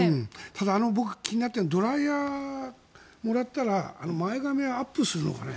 ただ僕が気になっているのはドライヤーをもらったら前髪をアップするのかね。